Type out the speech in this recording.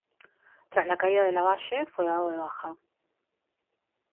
Tras la caída de Lavalle fue dado de baja.